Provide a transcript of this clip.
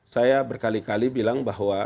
saya berkali kali bilang bahwa